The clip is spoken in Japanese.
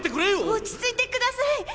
落ち着いてください！